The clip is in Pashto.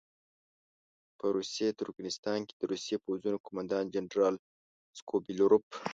په روسي ترکستان کې د روسي پوځونو قوماندان جنرال سکوبیلروف.